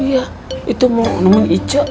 iya itu mau nemuin ica